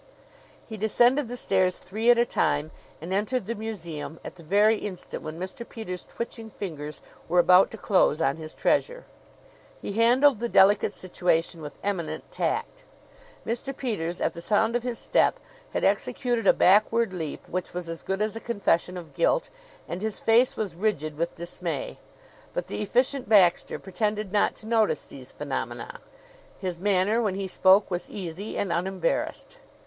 He descended the stairs three at a time, and entered the museum at the very instant when Mr. Peters' twitching fingers were about to close on his treasure. He handled the delicate situation with eminent tact. Mr. Peters, at the sound of his step, had executed a backward leap, which was as good as a confession of guilt, and his face was rigid with dismay; but the Efficient Baxter pretended not to notice these phenomena. His manner, when he spoke, was easy and unembarrassed.